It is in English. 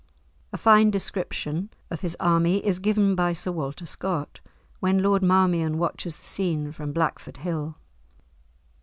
A fine description of his army is given by Sir Walter Scott, when Lord Marmion watches the scene from Blackford Hill.